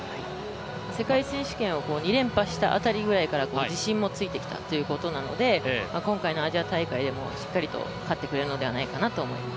世界選手権を２連覇した辺りくらいから自信もついてきたというので今回のアジア大会でもしっかりと勝ってくれるんじゃないかなと思います。